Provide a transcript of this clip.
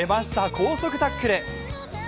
高速タックル！